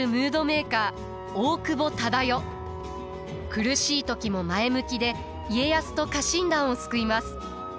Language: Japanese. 苦しい時も前向きで家康と家臣団を救います。